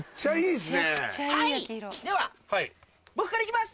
では僕から行きます。